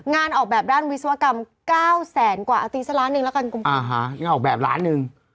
งานออกแบบด้านวิศวกรรมเก้าแสนกว่าตีซะล้านหนึ่งแล้วกันกุมอ่าฮะนี่ออกแบบล้านหนึ่ง